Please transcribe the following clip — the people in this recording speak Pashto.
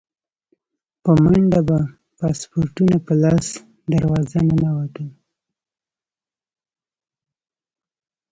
په منډه به پاسپورټونه په لاس دروازه ننوتل.